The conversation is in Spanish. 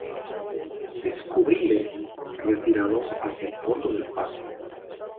descubríles retirados hacia el fondo del patio